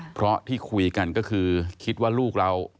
เพราะที่คุยกันก็คือคิดว่าลูกเรา